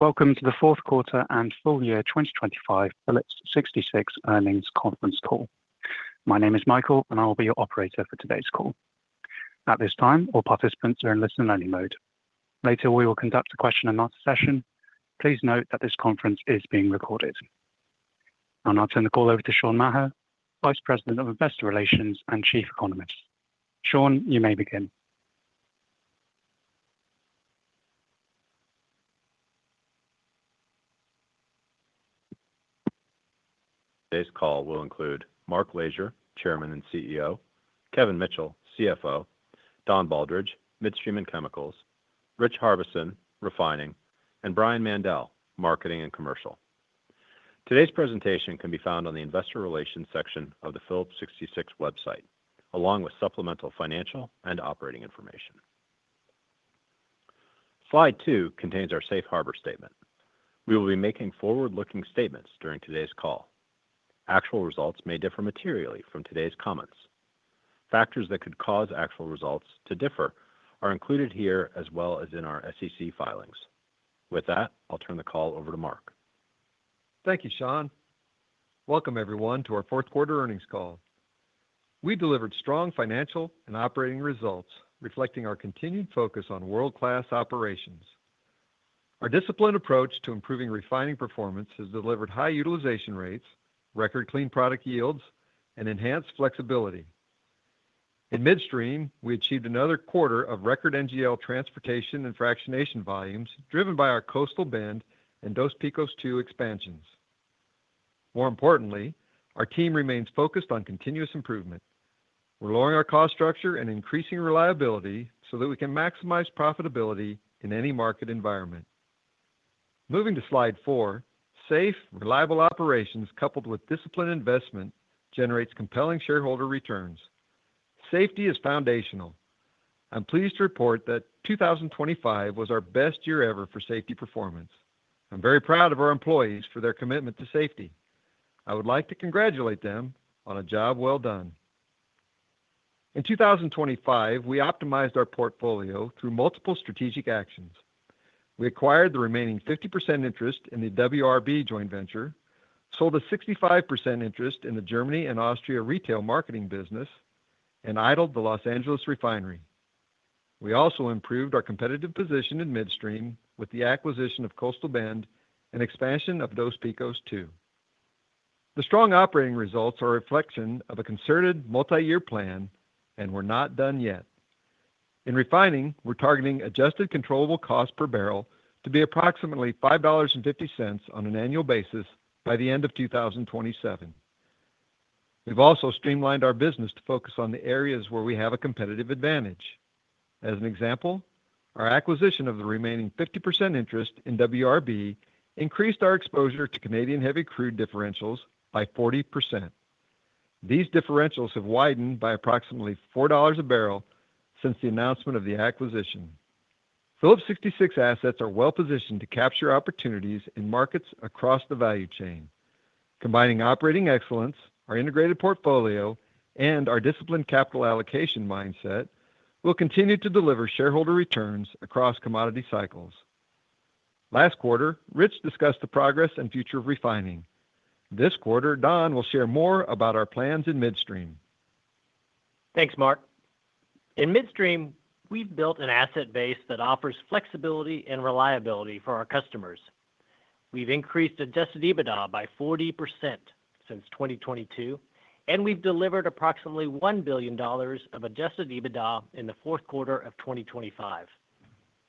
Welcome to the fourth quarter and full year 2025 Phillips 66 earnings conference call. My name is Michael, and I will be your operator for today's call. At this time, all participants are in listen-only mode. Later, we will conduct a question and answer session. Please note that this conference is being recorded. I'll now turn the call over to Sean Maher, Vice President of Investor Relations and Chief Economist. Sean, you may begin. Today's call will include Mark Lashier, Chairman and CEO, Kevin Mitchell, CFO, Don Baldridge, Midstream and Chemicals, Rich Harbison, Refining, and Brian Mandell, Marketing and Commercial. Today's presentation can be found on the Investor Relations section of the Phillips 66 website, along with supplemental financial and operating information. Slide two contains our safe harbor statement. We will be making forward-looking statements during today's call. Actual results may differ materially from today's comments. Factors that could cause actual results to differ are included here, as well as in our SEC filings. With that, I'll turn the call over to Mark. Thank you, Sean. Welcome everyone, to our fourth quarter earnings call. We delivered strong financial and operating results, reflecting our continued focus on world-class operations. Our disciplined approach to improving refining performance has delivered high utilization rates, record clean product yields, and enhanced flexibility. In midstream, we achieved another quarter of record NGL transportation and fractionation volumes, driven by our Coastal Bend and Dos Picos II expansions. More importantly, our team remains focused on continuous improvement. We're lowering our cost structure and increasing reliability so that we can maximize profitability in any market environment. Moving to slide four, safe, reliable operations, coupled with disciplined investment, generates compelling shareholder returns. Safety is foundational. I'm pleased to report that 2025 was our best year ever for safety performance. I'm very proud of our employees for their commitment to safety. I would like to congratulate them on a job well done. In 2025, we optimized our portfolio through multiple strategic actions. We acquired the remaining 50% interest in the WRB joint venture, sold a 65% interest in the Germany and Austria retail marketing business, and idled the Los Angeles refinery. We also improved our competitive position in midstream with the acquisition of Coastal Bend and expansion of Dos Picos II. The strong operating results are a reflection of a concerted multi-year plan, and we're not done yet. In refining, we're targeting adjusted controllable cost per barrel to be approximately $5.50 on an annual basis by the end of 2027. We've also streamlined our business to focus on the areas where we have a competitive advantage. As an example, our acquisition of the remaining 50% interest in WRB increased our exposure to Canadian heavy crude differentials by 40%. These differentials have widened by approximately $4 a barrel since the announcement of the acquisition. Phillips 66 assets are well positioned to capture opportunities in markets across the value chain. Combining operating excellence, our integrated portfolio, and our disciplined capital allocation mindset will continue to deliver shareholder returns across commodity cycles. Last quarter, Rich discussed the progress and future of refining. This quarter, Don will share more about our plans in midstream. Thanks, Mark. In midstream, we've built an asset base that offers flexibility and reliability for our customers. We've increased adjusted EBITDA by 40% since 2022, and we've delivered approximately $1 billion of adjusted EBITDA in the fourth quarter of 2025.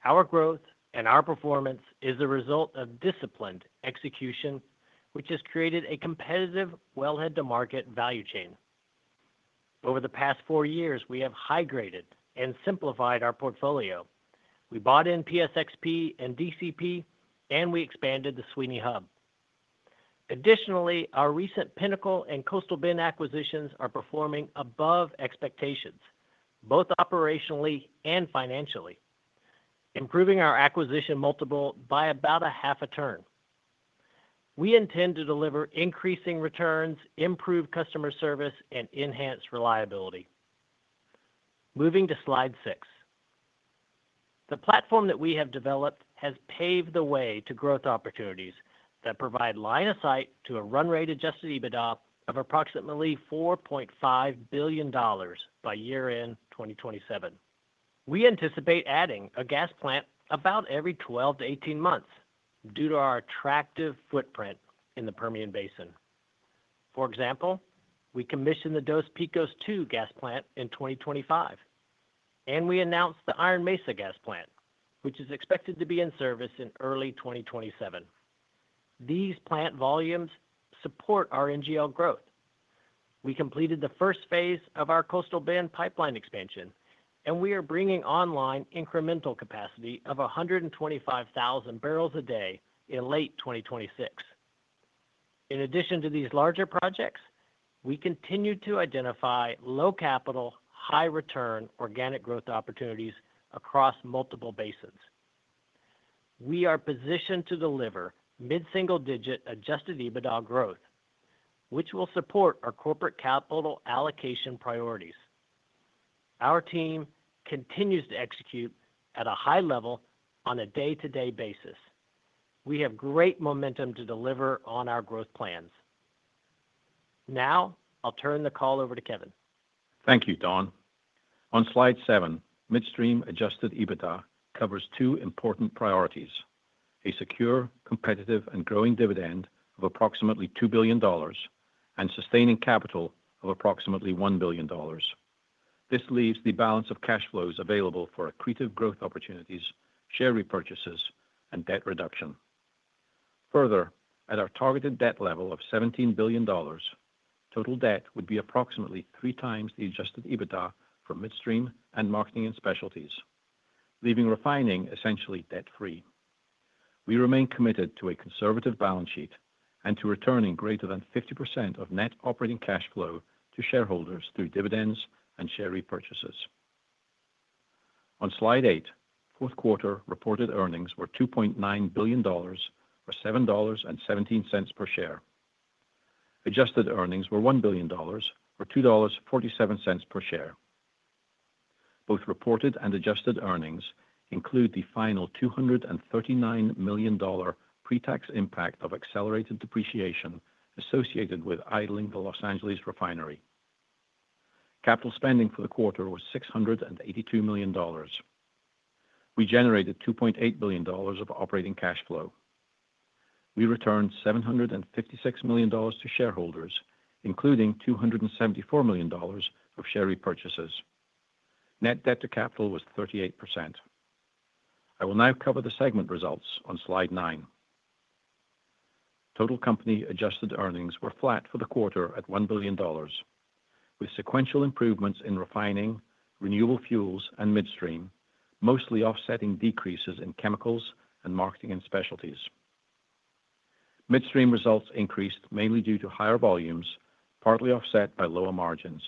Our growth and our performance is a result of disciplined execution, which has created a competitive wellhead-to-market value chain. Over the past four years, we have high-graded and simplified our portfolio. We bought in PSXP and DCP, and we expanded the Sweeny Hub. Additionally, our recent Pinnacle and Coastal Bend acquisitions are performing above expectations, both operationally and financially, improving our acquisition multiple by about a half a turn. We intend to deliver increasing returns, improve customer service, and enhance reliability. Moving to slide six. The platform that we have developed has paved the way to growth opportunities that provide line of sight to a run-rate Adjusted EBITDA of approximately $4.5 billion by year-end 2027. We anticipate adding a gas plant about every 12-18 months due to our attractive footprint in the Permian Basin. For example, we commissioned the Dos Picos II gas plant in 2025, and we announced the Iron Mesa gas plant, which is expected to be in service in early 2027. These plant volumes support our NGL growth. We completed the first phase of our Coastal Bend pipeline expansion, and we are bringing online incremental capacity of 125,000 barrels a day in late 2026. In addition to these larger projects, we continue to identify low-capital, high-return organic growth opportunities across multiple basins. We are positioned to deliver mid-single-digit Adjusted EBITDA growth, which will support our corporate capital allocation priorities. Our team continues to execute at a high level on a day-to-day basis. We have great momentum to deliver on our growth plans. Now, I'll turn the call over to Kevin. Thank you, Don. On Slide seven, Midstream adjusted EBITDA covers two important priorities: a secure, competitive, and growing dividend of approximately $2 billion and sustaining capital of approximately $1 billion. This leaves the balance of cash flows available for accretive growth opportunities, share repurchases, and debt reduction. Further, at our targeted debt level of $17 billion, total debt would be approximately three times the adjusted EBITDA for Midstream and Marketing and Specialties, leaving Refining essentially debt-free. We remain committed to a conservative balance sheet and to returning greater than 50% of net operating cash flow to shareholders through dividends and share repurchases. On Slide eight fourth quarter reported earnings were $2.9 billion or $7.17 per share. Adjusted earnings were $1 billion or $2.47 per share. Both reported and adjusted earnings include the final $239 million pre-tax impact of accelerated depreciation associated with idling the Los Angeles refinery. Capital spending for the quarter was $682 million. We generated $2.8 billion of operating cash flow. We returned $756 million to shareholders, including $274 million of share repurchases. Net debt to capital was 38%. I will now cover the segment results on slide nine. Total company adjusted earnings were flat for the quarter at $1 billion, with sequential improvements in Refining, Renewable Fuels, and Midstream, mostly offsetting decreases in Chemicals and Marketing and Specialties. Midstream results increased mainly due to higher volumes, partly offset by lower margins.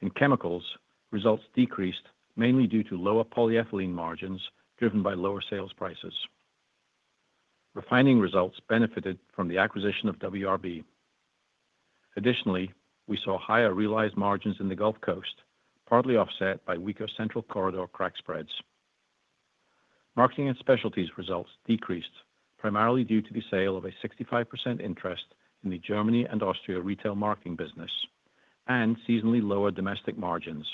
In Chemicals, results decreased mainly due to lower polyethylene margins, driven by lower sales prices. Refining results benefited from the acquisition of WRB. Additionally, we saw higher realized margins in the Gulf Coast, partly offset by weaker Central Corridor crack spreads. Marketing and Specialties results decreased primarily due to the sale of a 65% interest in the Germany and Austria retail marketing business and seasonally lower domestic margins,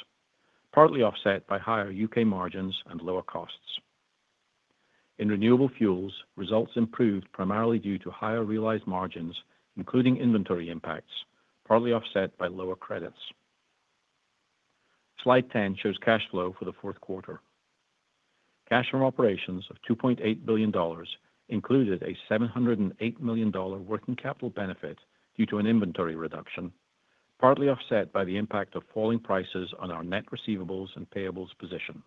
partly offset by higher U.K. margins and lower costs. In Renewable Fuels, results improved primarily due to higher realized margins, including inventory impacts, partly offset by lower credits. Slide 10 shows cash flow for the fourth quarter. Cash from operations of $2.8 billion included a $708 million dollar working capital benefit due to an inventory reduction, partly offset by the impact of falling prices on our net receivables and payables position.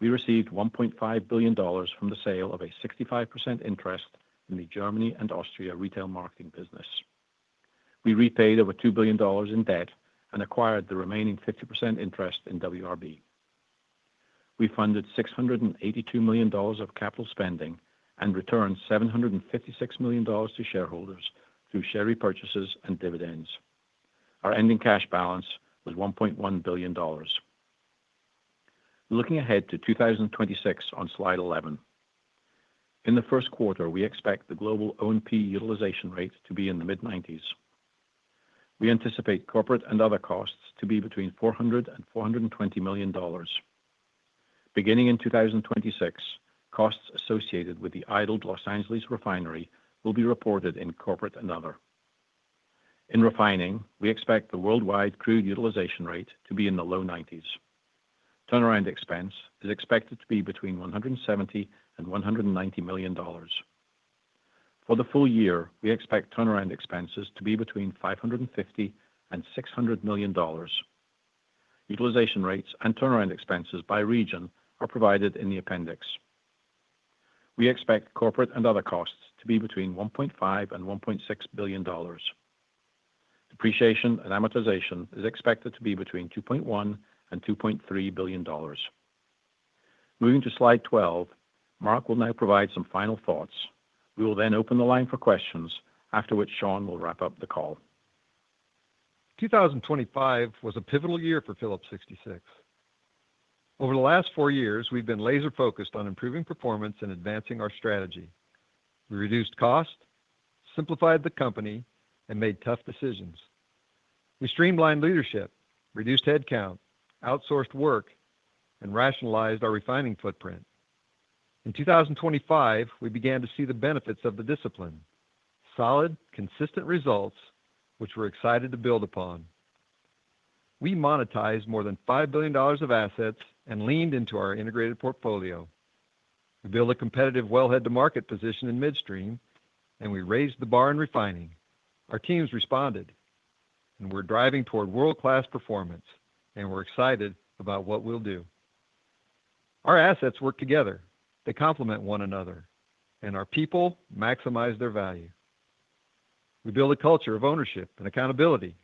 We received $1.5 billion from the sale of a 65% interest in the Germany and Austria retail marketing business. We repaid over $2 billion in debt and acquired the remaining 50% interest in WRB. We funded $682 million of capital spending and returned $756 million to shareholders through share repurchases and dividends. Our ending cash balance was $1.1 billion. Looking ahead to 2026 on slide 11. In the first quarter, we expect the global O&P utilization rate to be in the mid-90s. We anticipate corporate and other costs to be between $400 million and $420 million. Beginning in 2026, costs associated with the idled Los Angeles refinery will be reported in corporate and other. In Refining, we expect the worldwide crude utilization rate to be in the low 90s. Turnaround expense is expected to be between $170 million and $190 million. For the full year, we expect turnaround expenses to be between $550 million and $600 million. Utilization rates and turnaround expenses by region are provided in the appendix. We expect corporate and other costs to be between $1.5 billion and $1.6 billion. Depreciation and amortization is expected to be between $2.1 billion and $2.3 billion. Moving to slide 12. Mark will now provide some final thoughts. We will then open the line for questions, after which Sean will wrap up the call. 2025 was a pivotal year for Phillips 66. Over the last 4 years, we've been laser-focused on improving performance and advancing our strategy. We reduced costs, simplified the company, and made tough decisions. We streamlined leadership, reduced headcount, outsourced work, and rationalized our refining footprint. In 2025, we began to see the benefits of the discipline: solid, consistent results, which we're excited to build upon. We monetized more than $5 billion of assets and leaned into our integrated portfolio. We built a competitive wellhead-to-market position in midstream, and we raised the bar in refining. Our teams responded, and we're driving toward world-class performance, and we're excited about what we'll do. Our assets work together. They complement one another, and our people maximize their value. We build a culture of ownership and accountability.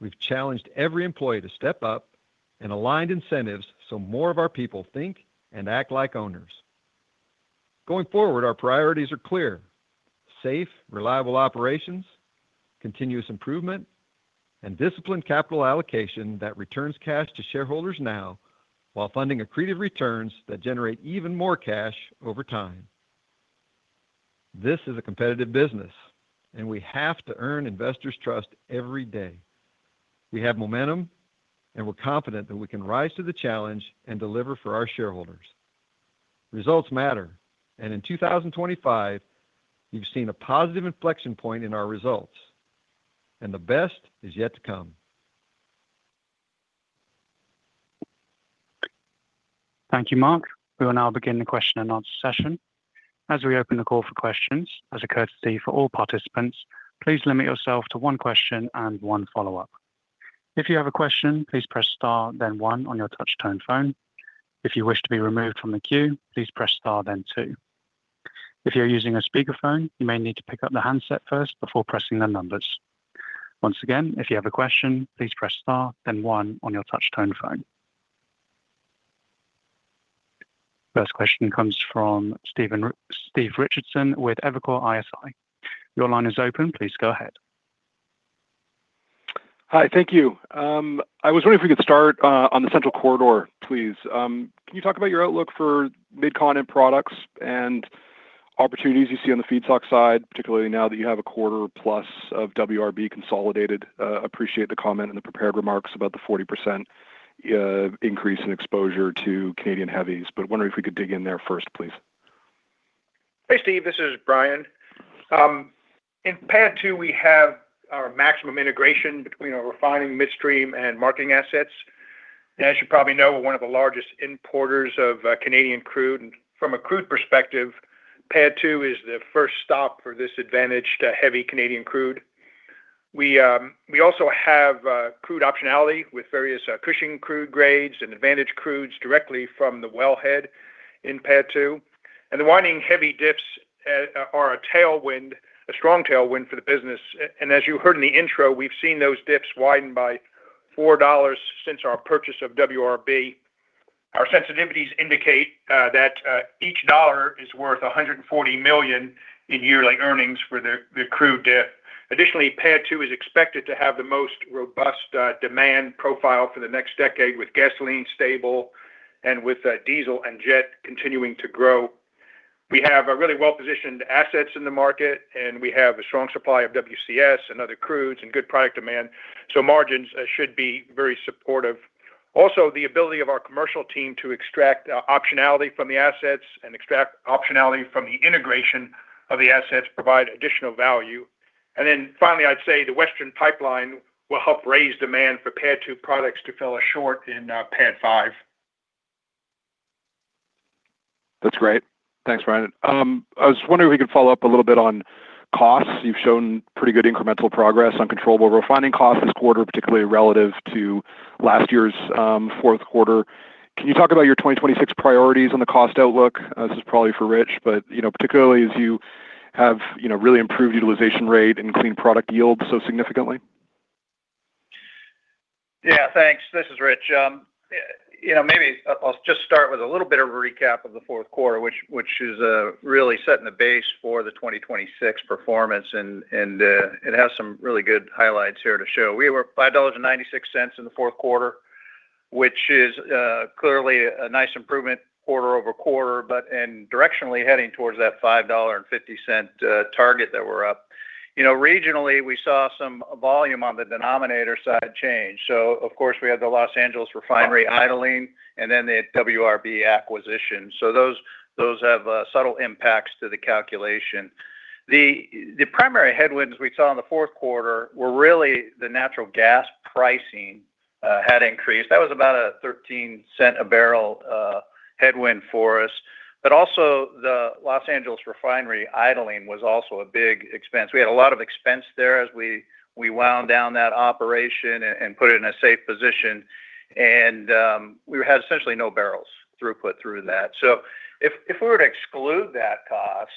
We've challenged every employee to step up and aligned incentives so more of our people think and act like owners.... Going forward, our priorities are clear: safe, reliable operations, continuous improvement, and disciplined capital allocation that returns cash to shareholders now while funding accretive returns that generate even more cash over time. This is a competitive business, and we have to earn investors' trust every day. We have momentum, and we're confident that we can rise to the challenge and deliver for our shareholders. Results matter, and in 2025, you've seen a positive inflection point in our results, and the best is yet to come. Thank you, Mark. We will now begin the question and answer session. As we open the call for questions, as a courtesy for all participants, please limit yourself to one question and one follow-up. If you have a question, please press star then one on your touch tone phone. If you wish to be removed from the queue, please press star then two. If you're using a speakerphone, you may need to pick up the handset first before pressing the numbers. Once again, if you have a question, please press star then one on your touch tone phone. First question comes from Stephen - Steve Richardson with Evercore ISI. Your line is open. Please go ahead. Hi, thank you. I was wondering if we could start on the Central Corridor, please. Can you talk about your outlook for Mid-Continent products and opportunities you see on the feedstock side, particularly now that you have a quarter plus of WRB consolidated? Appreciate the comment and the prepared remarks about the 40% increase in exposure to Canadian heavies, but wondering if we could dig in there first, please. Hey, Steve, this is Brian. In PADD 2, we have our maximum integration between our refining midstream and marketing assets. As you probably know, we're one of the largest importers of Canadian crude. From a crude perspective, PADD 2 is the first stop for this advantage to heavy Canadian crude. We also have crude optionality with various Cushing crude grades and advantage crudes directly from the wellhead in PADD 2. And the widening heavy diffs are a tailwind, a strong tailwind for the business. And as you heard in the intro, we've seen those diffs widen by $4 since our purchase of WRB. Our sensitivities indicate that each dollar is worth $140 million in yearly earnings for the crude diff. Additionally, PADD 2 is expected to have the most robust demand profile for the next decade, with gasoline stable and with diesel and jet continuing to grow. We have a really well-positioned assets in the market, and we have a strong supply of WCS and other crudes and good product demand, so margins should be very supportive. Also, the ability of our commercial team to extract optionality from the assets and extract optionality from the integration of the assets provide additional value. And then finally, I'd say the Western pipeline will help raise demand for PADD 2 products to fill a short in PADD 5. That's great. Thanks, Brian. I was wondering if we could follow up a little bit on costs. You've shown pretty good incremental progress on controllable refining costs this quarter, particularly relative to last year's fourth quarter. Can you talk about your 2026 priorities on the cost outlook? This is probably for Rich, but, you know, particularly as you have, you know, really improved utilization rate and clean product yield so significantly. Yeah, thanks. This is Rich. You know, maybe I'll just start with a little bit of a recap of the fourth quarter, which is really setting the base for the 2026 performance, and it has some really good highlights here to show. We were $5.96 in the fourth quarter, which is clearly a nice improvement quarter-over-quarter, but- and directionally heading towards that $5.50 target that we're up. You know, regionally, we saw some volume on the denominator side change. So of course, we had the Los Angeles refinery idling and then the WRB acquisition. So those have subtle impacts to the calculation. The primary headwinds we saw in the fourth quarter were really the natural gas pricing had increased. That was about a $0.13-a-barrel headwind for us. But also, the Los Angeles refinery idling was also a big expense. We had a lot of expense there as we wound down that operation and put it in a safe position, and we had essentially no barrels throughput through that. So if we were to exclude that cost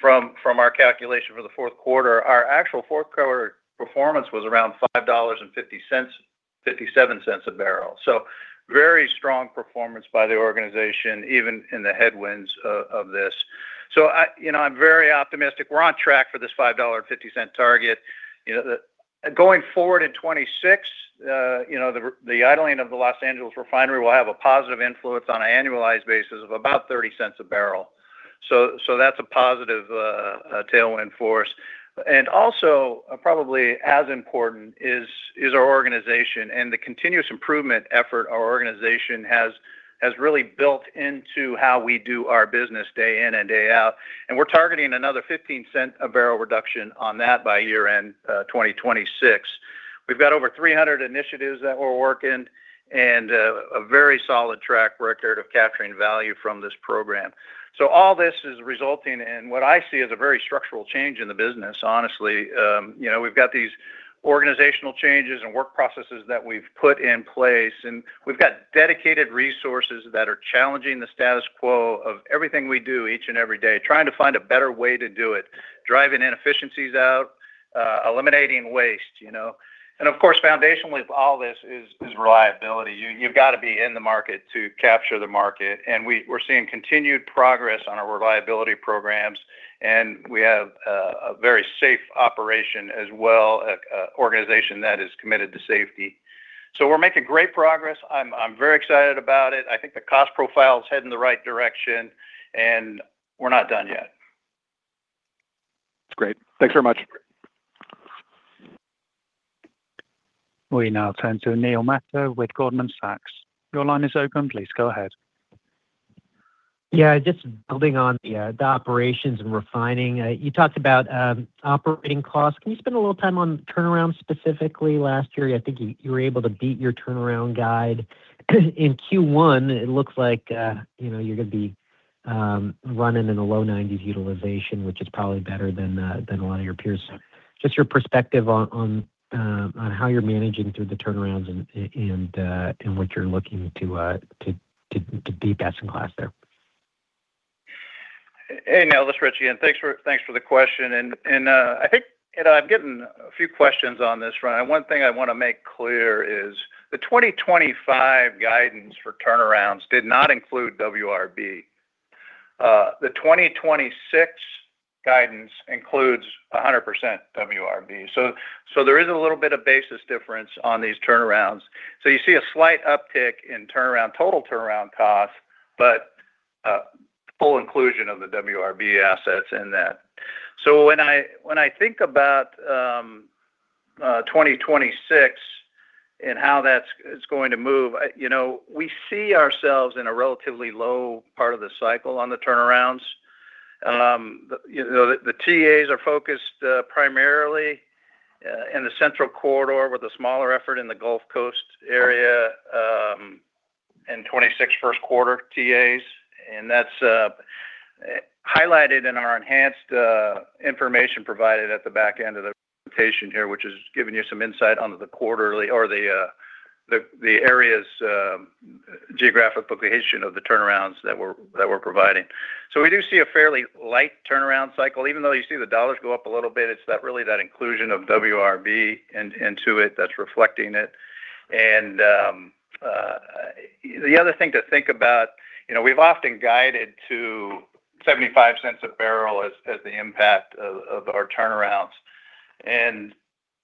from our calculation for the fourth quarter, our actual fourth quarter performance was around $5.50-$5.57 a barrel. So very strong performance by the organization, even in the headwinds of this. So I, you know, I'm very optimistic. We're on track for this $5.50 target. You know, going forward in 2026, you know, the idling of the Los Angeles refinery will have a positive influence on an annualized basis of about $0.30 a barrel. So that's a positive tailwind for us. And also, probably as important is our organization and the continuous improvement effort our organization has really built into how we do our business day in and day out. And we're targeting another $0.15 a barrel reduction on that by year-end 2026. We've got over 300 initiatives that we're working and a very solid track record of capturing value from this program. So all this is resulting in what I see as a very structural change in the business, honestly. You know, we've got these organizational changes and work processes that we've put in place, and we've got dedicated resources that are challenging the status quo of everything we do each and every day, trying to find a better way to do it, driving inefficiencies out, eliminating waste, you know? And of course, foundationally, all this is reliability. You've got to be in the market to capture the market, and we're seeing continued progress on our reliability programs, and we have a very safe operation as well, an organization that is committed to safety. So we're making great progress. I'm very excited about it. I think the cost profile is heading in the right direction, and we're not done yet. Great. Thanks very much. We now turn to Neil Mehta with Goldman Sachs. Your line is open. Please, go ahead. Yeah, just building on the operations and refining. You talked about operating costs. Can you spend a little time on turnarounds, specifically last year? I think you were able to beat your turnaround guide. In Q1, it looks like, you know, you're gonna be running in the low 90s utilization, which is probably better than a lot of your peers. Just your perspective on how you're managing through the turnarounds and what you're looking to be best in class there. Hey, Neil, this is Rich, and thanks for the question. I think I've gotten a few questions on this front. One thing I want to make clear is the 2025 guidance for turnarounds did not include WRB. The 2026 guidance includes 100% WRB. So there is a little bit of basis difference on these turnarounds. So you see a slight uptick in total turnaround costs, but full inclusion of the WRB assets in that. So when I think about 2026 and how that's going to move, you know, we see ourselves in a relatively low part of the cycle on the turnarounds. You know, the TAs are focused primarily in the central corridor, with a smaller effort in the Gulf Coast area, in 2026 first quarter TAs, and that's highlighted in our enhanced information provided at the back end of the presentation here, which has given you some insight onto the quarterly or the areas geographic location of the turnarounds that we're providing. So we do see a fairly light turnaround cycle. Even though you see the dollars go up a little bit, it's really that inclusion of WRB into it that's reflecting it. And the other thing to think about, you know, we've often guided to $0.75 a barrel as the impact of our turnarounds.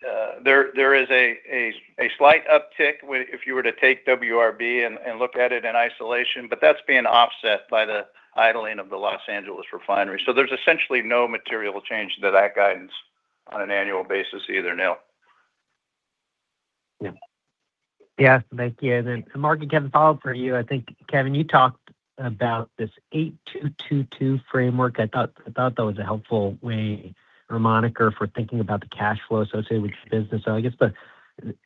And there is a slight uptick with if you were to take WRB and look at it in isolation, but that's being offset by the idling of the Los Angeles refinery. So there's essentially no material change to that guidance on an annual basis either, Neil. Yeah. Yeah, thank you. Mark and Kevin, follow-up for you. I think, Kevin, you talked about this 8-2-2-2 framework. I thought that was a helpful way or moniker for thinking about the cash flow associated with business. I guess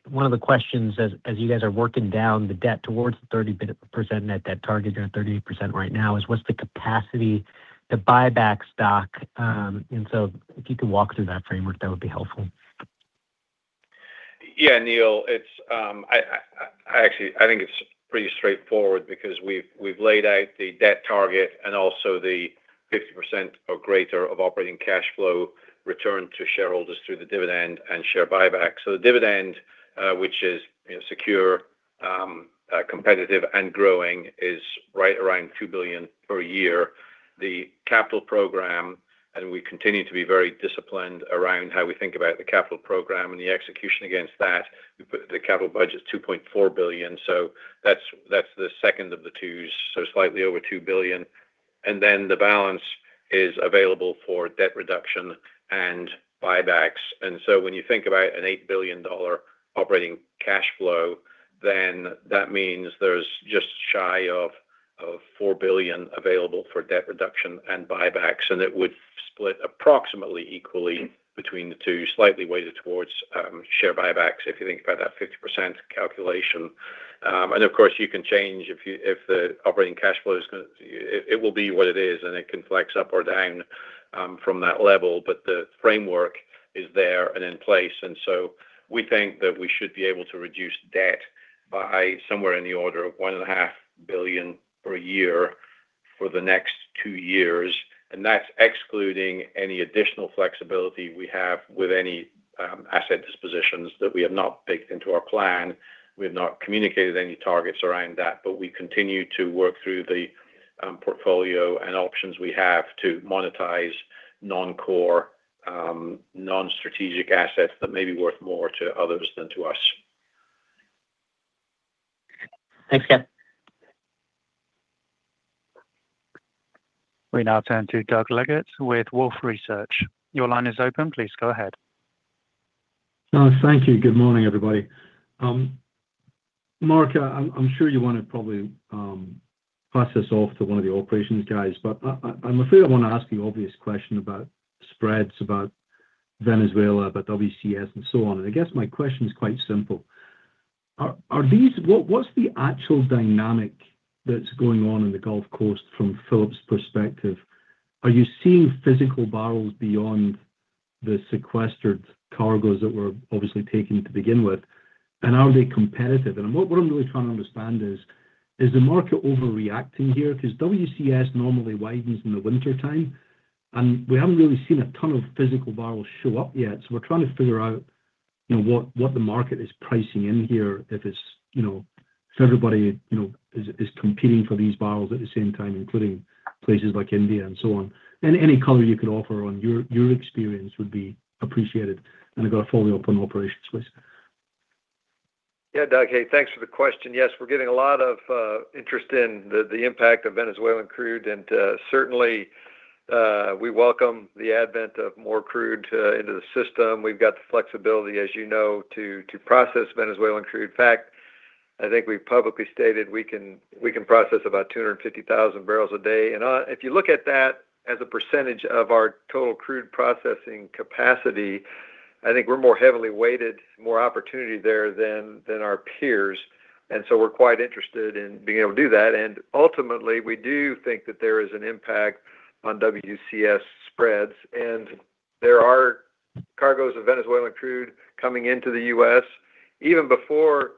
one of the questions as you guys are working down the debt towards the 30% net debt target, you're at 38% right now, is what's the capacity to buy back stock? If you could walk through that framework, that would be helpful. Yeah, Neil. It's actually, I think it's pretty straightforward because we've laid out the debt target and also the 50% or greater of operating cash flow return to shareholders through the dividend and share buyback. So the dividend, which is, you know, secure, competitive and growing, is right around $2 billion per year. The capital program, and we continue to be very disciplined around how we think about the capital program and the execution against that. We put the capital budget is $2.4 billion, so that's the second of the twos, so slightly over $2 billion. And then the balance is available for debt reduction and buybacks. So when you think about an $8 billion operating cash flow, then that means there's just shy of $4 billion available for debt reduction and buybacks, and it would split approximately equally between the two, slightly weighted towards share buybacks, if you think about that 50% calculation. And of course, you can change if the operating cash flow is gonna. It will be what it is, and it can flex up or down from that level, but the framework is there and in place. So we think that we should be able to reduce debt by somewhere in the order of $1.5 billion per year for the next two years, and that's excluding any additional flexibility we have with any asset dispositions that we have not baked into our plan. We've not communicated any targets around that, but we continue to work through the portfolio and options we have to monetize non-core, non-strategic assets that may be worth more to others than to us. Thanks, Kevin. We now turn to Doug Leggate with Wolfe Research. Your line is open. Please go ahead. Thank you. Good morning, everybody. Mark, I'm sure you want to probably pass this off to one of the operations guys, but I'm afraid I want to ask the obvious question about spreads, about Venezuela, about WCS, and so on. And I guess my question is quite simple: Are these-what's the actual dynamic that's going on in the Gulf Coast from Phillips' perspective? Are you seeing physical barrels beyond the sequestered cargoes that were obviously taken to begin with, and are they competitive? And what I'm really trying to understand is-Is the market overreacting here? Because WCS normally widens in the wintertime, and we haven't really seen a ton of physical barrels show up yet. So we're trying to figure out, you know, what the market is pricing in here, if it's, you know, if everybody, you know, is competing for these barrels at the same time, including places like India and so on. And any color you can offer on your experience would be appreciated. And I've got to follow up on operations with. Yeah, Doug, hey, thanks for the question. Yes, we're getting a lot of interest in the impact of Venezuelan crude, and certainly we welcome the advent of more crude into the system. We've got the flexibility, as you know, to process Venezuelan crude. In fact, I think we've publicly stated we can process about 250,000 barrels a day. And if you look at that as a percentage of our total crude processing capacity, I think we're more heavily weighted, more opportunity there than our peers, and so we're quite interested in being able to do that. And ultimately, we do think that there is an impact on WCS spreads, and there are cargoes of Venezuelan crude coming into the U.S. Even before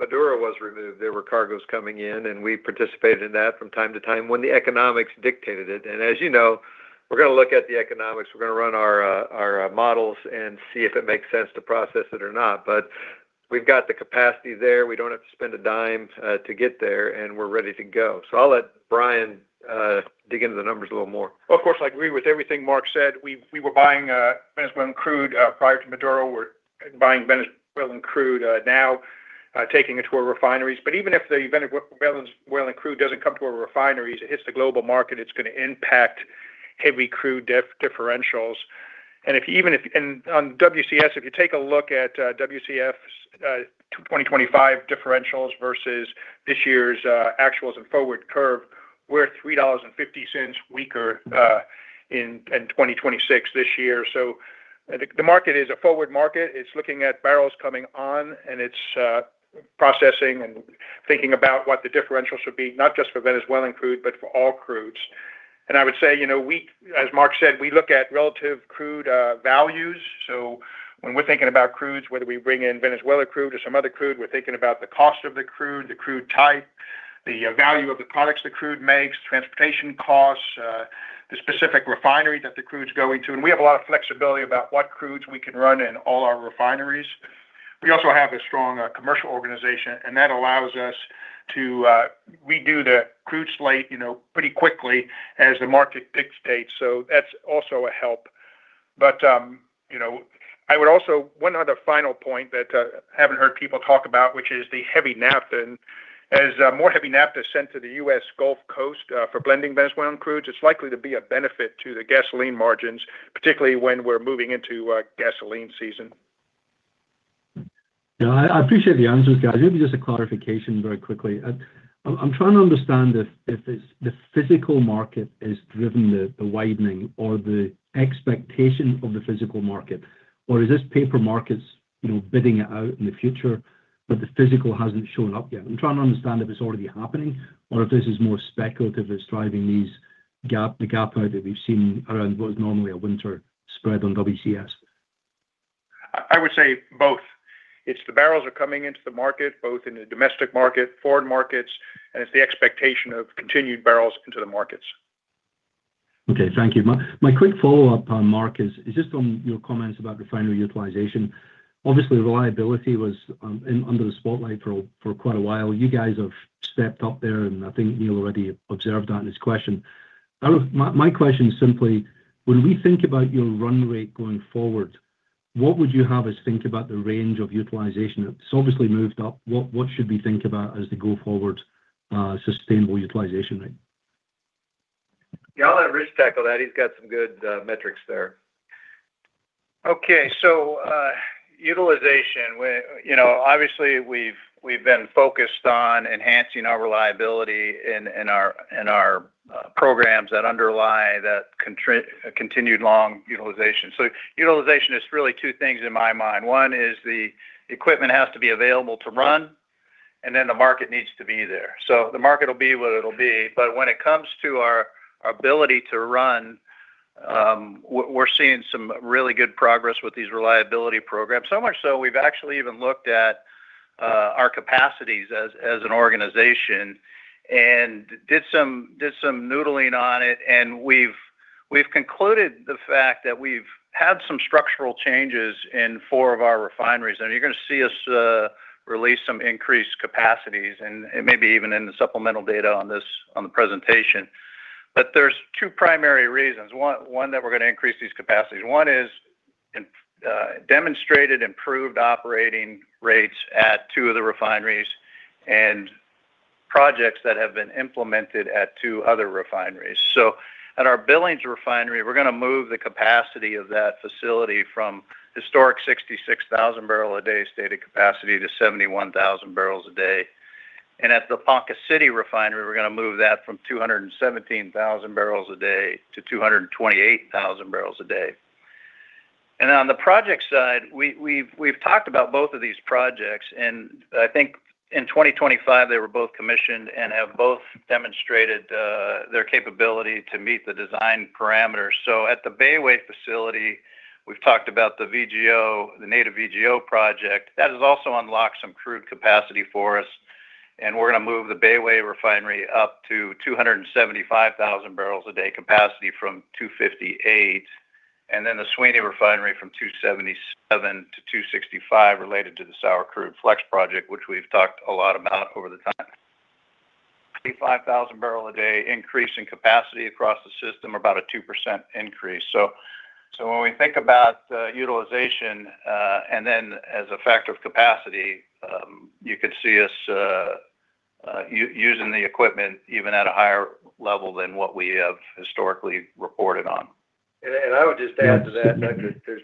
Maduro was removed, there were cargoes coming in, and we participated in that from time to time when the economics dictated it. And as you know, we're gonna look at the economics. We're gonna run our, our, models and see if it makes sense to process it or not. But we've got the capacity there. We don't have to spend a dime to get there, and we're ready to go. So I'll let Brian dig into the numbers a little more. Of course, I agree with everything Mark said. We were buying Venezuelan crude prior to Maduro. We're buying Venezuelan crude now, taking it to our refineries. But even if the Venezuelan crude doesn't come to our refineries, it hits the global market, it's gonna impact heavy crude differentials. And even if and on WCS, if you take a look at WCS, 2025 differentials versus this year's actuals and forward curve, we're $3.50 weaker in 2026 this year. So the market is a forward market. It's looking at barrels coming on, and it's processing and thinking about what the differential should be, not just for Venezuelan crude, but for all crudes. And I would say, you know, we as Mark said, we look at relative crude values. So when we're thinking about crudes, whether we bring in Venezuelan crude or some other crude, we're thinking about the cost of the crude, the crude type, the value of the products the crude makes, transportation costs, the specific refinery that the crude is going to. And we have a lot of flexibility about what crudes we can run in all our refineries. We also have a strong commercial organization, and that allows us to redo the crude slate, you know, pretty quickly as the market dictates. So that's also a help. But you know, I would also, one other final point that I haven't heard people talk about, which is the heavy naphtha. As more heavy naphtha is sent to the U.S. Gulf Coast for blending Venezuelan crudes, it's likely to be a benefit to the gasoline margins, particularly when we're moving into gasoline season. Yeah, I appreciate the answers, guys. Maybe just a clarification very quickly. I'm trying to understand if it's the physical market has driven the widening or the expectation of the physical market, or is this paper markets, you know, bidding it out in the future, but the physical hasn't shown up yet? I'm trying to understand if it's already happening or if this is more speculative that's driving these gap, the gap out that we've seen around what is normally a winter spread on WCS. I would say both. It's the barrels are coming into the market, both in the domestic market, foreign markets, and it's the expectation of continued barrels into the markets. Okay, thank you. My quick follow-up on Mark is just on your comments about refinery utilization. Obviously, reliability was under the spotlight for quite a while. You guys have stepped up there, and I think Neil already observed that in his question. My question is simply: When we think about your run rate going forward, what would you have us think about the range of utilization? It's obviously moved up. What should we think about as the go-forward sustainable utilization rate? Yeah, I'll let Rich tackle that. He's got some good metrics there. Okay, so, utilization. Well, you know, obviously, we've been focused on enhancing our reliability in our programs that underlie that continued long utilization. So utilization is really two things in my mind. One is the equipment has to be available to run, and then the market needs to be there. So the market will be what it'll be, but when it comes to our ability to run, we're seeing some really good progress with these reliability programs. So much so, we've actually even looked at our capacities as an organization and did some noodling on it, and we've concluded the fact that we've had some structural changes in four of our refineries. And you're gonna see us release some increased capacities, and it may be even in the supplemental data on the presentation. But there are two primary reasons. One, that we're gonna increase these capacities. One is demonstrated improved operating rates at two of the refineries and projects that have been implemented at two other refineries. So at our Billings Refinery, we're gonna move the capacity of that facility from historic 66,000 barrel a day stated capacity to 71,000 barrels a day. And at the Ponca City Refinery, we're gonna move that from 217,000 barrels a day to 228,000 barrels a day. And on the project side, we've talked about both of these projects, and I think in 2025, they were both commissioned and have both demonstrated their capability to meet the design parameters. So at the Bayway facility, we've talked about the VGO, the native VGO project. That has also unlocked some crude capacity for us... we're gonna move the Bayway refinery up to 275,000 barrels a day capacity from 258,000, and then the Sweeny refinery from 277,000-265,000, related to the sour crude flex project, which we've talked a lot about over the time. 35,000 barrel a day increase in capacity across the system, about a 2% increase. When we think about utilization, and then as a factor of capacity, you could see us using the equipment even at a higher level than what we have historically reported on. I would just add to that, there's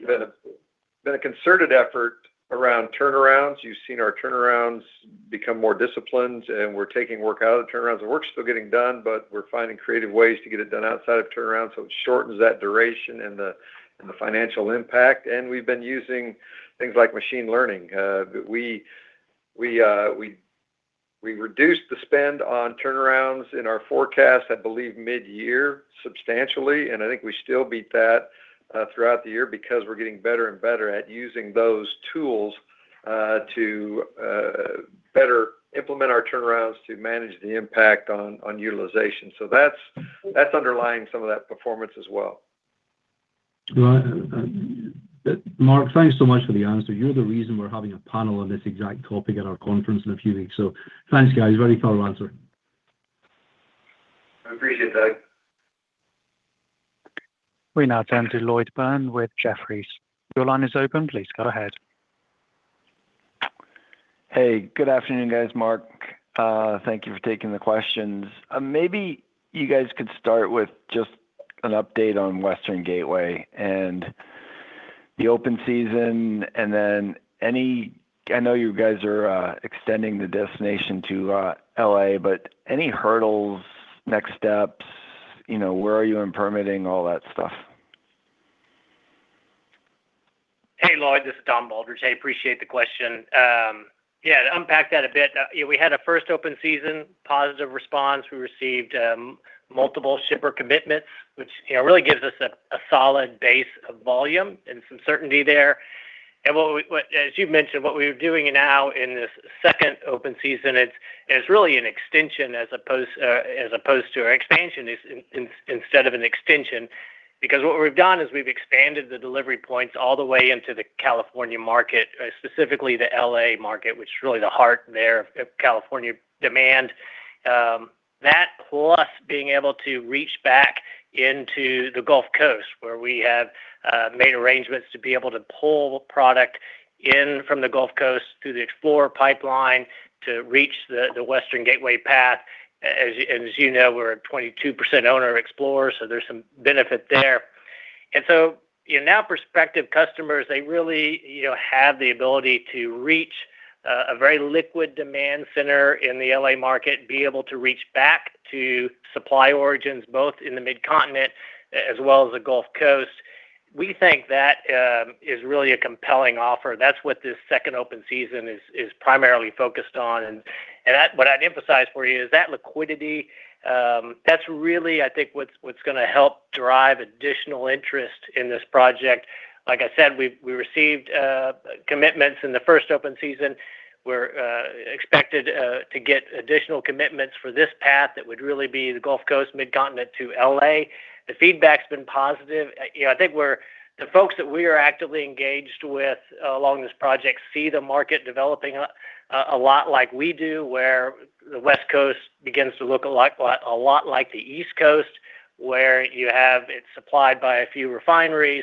been a concerted effort around turnarounds. You've seen our turnarounds become more disciplined, and we're taking work out of the turnarounds. The work's still getting done, but we're finding creative ways to get it done outside of turnarounds, so it shortens that duration and the financial impact. We've been using things like machine learning. We reduced the spend on turnarounds in our forecast, I believe, mid-year substantially, and I think we still beat that throughout the year because we're getting better and better at using those tools to better implement our turnarounds to manage the impact on utilization. So that's underlying some of that performance as well. Well, Mark, thanks so much for the answer. You're the reason we're having a panel on this exact topic at our conference in a few weeks. So thanks, guys, very thorough answer. I appreciate that. We now turn to Lloyd Byrne with Jefferies. Your line is open. Please go ahead. Hey, good afternoon, guys. Mark, thank you for taking the questions. Maybe you guys could start with just an update on Western Gateway and the open season, and then I know you guys are extending the destination to L.A., but any hurdles, next steps, you know, where are you in permitting, all that stuff? Hey, Lloyd, this is Don Baldridge. I appreciate the question. Yeah, to unpack that a bit, we had a first open season, positive response. We received, you know, multiple shipper commitments, which, you know, really gives us a solid base of volume and some certainty there. What we, as you've mentioned, what we're doing now in this second open season, it's really an extension as opposed to an expansion instead of an extension. Because what we've done is we've expanded the delivery points all the way into the California market, specifically the L.A. market, which is really the heart there of California demand. That plus being able to reach back into the Gulf Coast, where we have made arrangements to be able to pull product in from the Gulf Coast through the Explorer Pipeline to reach the Western Gateway pipeline. As you know, we're a 22% owner of Explorer, so there's some benefit there. And so, you know, now prospective customers, they really, you know, have the ability to reach a very liquid demand center in the L.A. market, be able to reach back to supply origins, both in the Mid-Continent as well as the Gulf Coast. We think that is really a compelling offer. That's what this second open season is primarily focused on. And that, what I'd emphasize for you is that liquidity, that's really, I think, what's gonna help drive additional interest in this project. Like I said, we've we received commitments in the first open season. We're expected to get additional commitments for this path. That would really be the Gulf Coast, Mid-Continent to L.A. The feedback's been positive. You know, I think the folks that we are actively engaged with along this project see the market developing a lot like we do, where the West Coast begins to look a lot like the East Coast, where you have it supplied by a few refineries,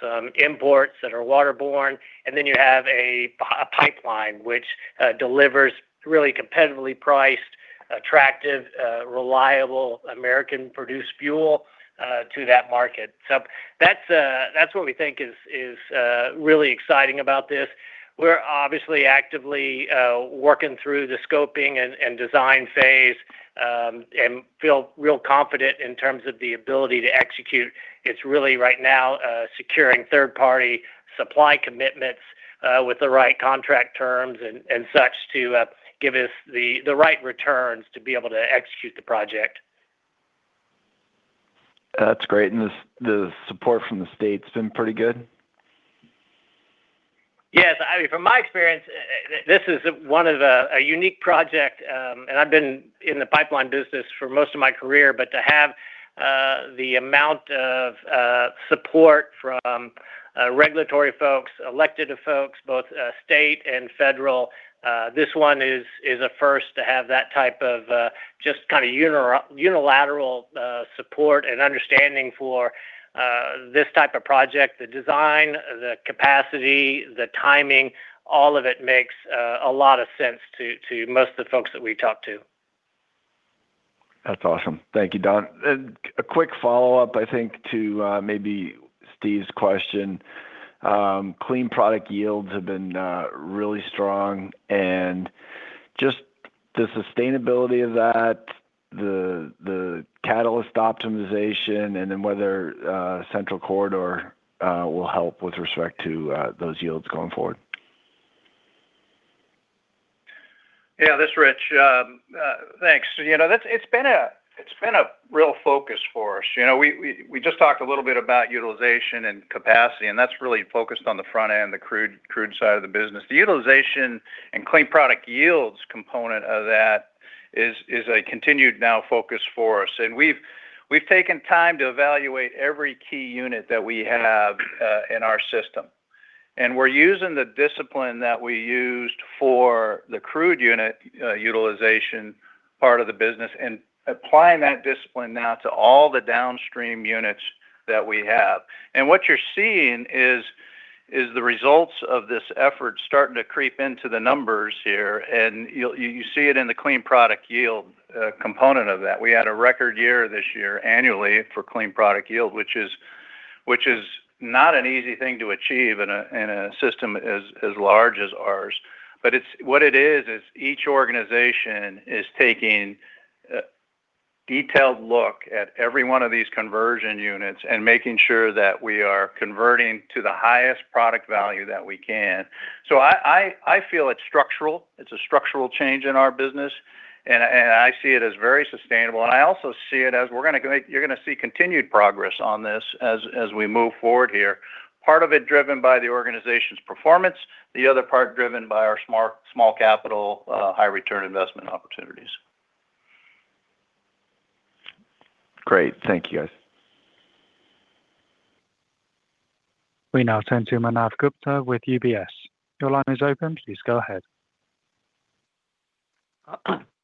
some imports that are waterborne, and then you have a pipeline, which delivers really competitively priced, attractive, reliable, American-produced fuel to that market. So that's what we think is really exciting about this. We're obviously actively working through the scoping and design phase and feel real confident in terms of the ability to execute. It's really right now securing third-party supply commitments with the right contract terms and such to give us the right returns to be able to execute the project. That's great. And the support from the state's been pretty good? Yes. I mean, from my experience, this is one of a unique project, and I've been in the pipeline business for most of my career. But to have the amount of support from regulatory folks, elected folks, both state and federal, this one is a first to have that type of just kind of unilateral support and understanding for this type of project. The design, the capacity, the timing, all of it makes a lot of sense to most of the folks that we talk to. That's awesome. Thank you, Don. A quick follow-up, I think, to maybe Steve's question. Clean product yields have been really strong, and just the sustainability of that, the, the catalyst optimization, and then whether Central Corridor will help with respect to those yields going forward. Yeah, this is Rich. Thanks. You know, that's, it's been a real focus for us. You know, we just talked a little bit about utilization and capacity, and that's really focused on the front end, the crude side of the business. The utilization and clean product yields component of that is a continued now focus for us. And we've taken time to evaluate every key unit that we have in our system. And we're using the discipline that we used for the crude unit utilization part of the business, and applying that discipline now to all the downstream units that we have. And what you're seeing is the results of this effort starting to creep into the numbers here, and you see it in the clean product yield component of that. We had a record year this year annually for clean product yield, which is not an easy thing to achieve in a system as large as ours. But it's what it is, is each organization is taking a detailed look at every one of these conversion units and making sure that we are converting to the highest product value that we can. So I feel it's structural. It's a structural change in our business, and I see it as very sustainable. And I also see it as we're gonna go, you're gonna see continued progress on this as we move forward here. Part of it driven by the organization's performance, the other part driven by our smart-small capital, high return investment opportunities. Great. Thank you, guys. We now turn to Manav Gupta with UBS. Your line is open. Please go ahead.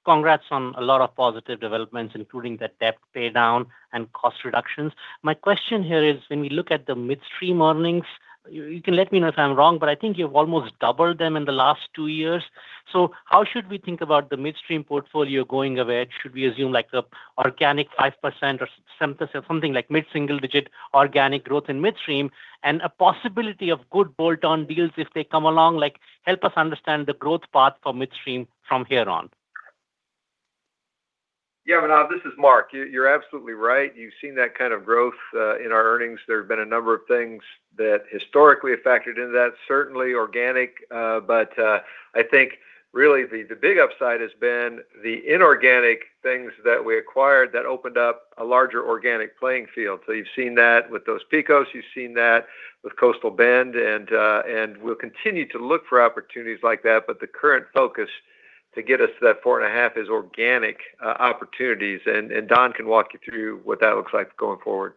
Congrats on a lot of positive developments, including the debt paydown and cost reductions. My question here is, when we look at the midstream earnings, you, you can let me know if I'm wrong, but I think you've almost doubled them in the last two years. So how should we think about the midstream portfolio going ahead? Should we assume, like, the organic 5% or something like mid-single digit organic growth in midstream, and a possibility of good bolt-on deals if they come along? Like, help us understand the growth path for midstream from here on. Yeah, Manav, this is Mark. You're absolutely right. You've seen that kind of growth in our earnings. There have been a number of things that historically have factored into that, certainly organic, but I think really the big upside has been the inorganic things that we acquired that opened up a larger organic playing field. So you've seen that with those Pecos, you've seen that with Coastal Bend, and we'll continue to look for opportunities like that, but the current focus to get us to that 4.5 is organic opportunities. And Don can walk you through what that looks like going forward.